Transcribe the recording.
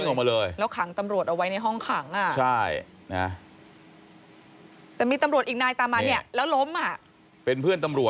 กำลังเอาไว้ผมไม่เข้าเดี๋ยวนั่งคุกข่าวรอ